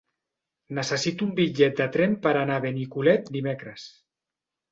Necessito un bitllet de tren per anar a Benicolet dimecres.